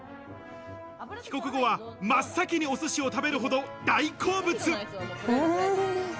帰国後は真っ先にお寿司を食べるほど大好物。